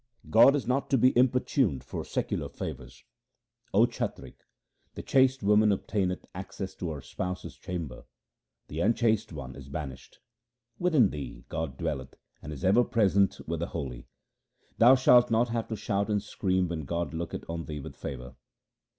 God is not to be importuned for secular favours :— O chatrik, the chaste woman obtaineth access to her spouse's chamber ; the unchaste one is banished. Within thee, God dwelleth and is ever present with the holy. Thou shalt not have to shout and scream when God looketh on thee with favour.